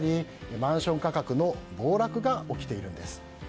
マンション価格の暴落が起きているんです。